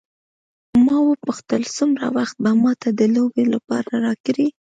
ما وپوښتل څومره وخت به ما ته د لوبې لپاره راکړې.